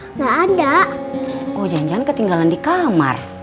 enggak ada oh jangan jangan ketinggalan di kamar